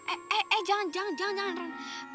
eh eh eh jangan jangan jangan jangan ran